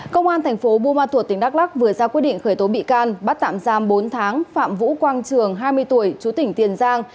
công an thành phố buôn ma thuột tỉnh đắk lắc vừa ra quyết định khởi tố bị can bắt tạm giam bốn tháng phạm vũ quang trường hai mươi tuổi chú tỉnh tiền giang